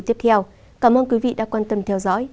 tiếp theo cảm ơn quý vị đã quan tâm theo dõi